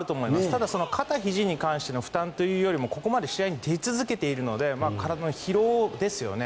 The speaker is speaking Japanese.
ただ、肩、ひじに関しての負担というよりもここまで試合に出続けているので体の疲労ですよね。